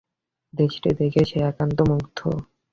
দেশটি দেখে সে একান্ত মুগ্ধ।